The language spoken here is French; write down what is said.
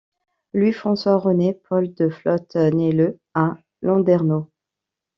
Louis-François-René-Paul de Flotte naît le à Landerneau.